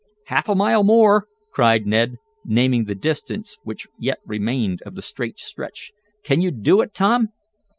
"Half a mile more!" cried Ned, naming the distance which yet remained of the straight stretch. "Can you do it, Tom?"